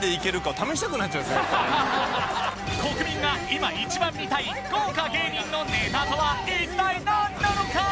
私はハハハハハハッ国民が今一番見たい豪華芸人のネタとは一体なんなのか？